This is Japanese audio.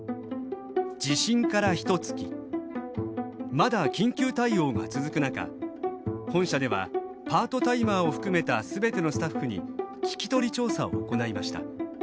まだ緊急対応が続く中本社ではパートタイマーを含めた全てのスタッフに聞き取り調査を行いました。